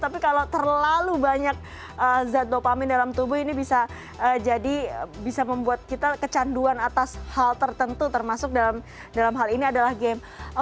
tapi kalau terlalu banyak zat dopamin dalam tubuh ini bisa jadi bisa membuat kita kecanduan atas hal tertentu termasuk dalam hal ini adalah game